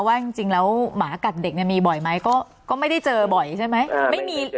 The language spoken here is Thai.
ว่าจริงแล้วหมากัดเด็กเนี่ยมีบ่อยไหมก็ไม่ได้เจอบ่อยใช่ไหม